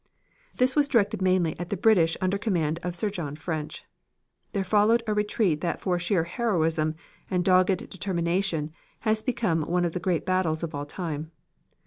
This was directed mainly at the British under command of Sir John French. There followed a retreat that for sheer heroism and dogged determination has become one of the great battles of all time.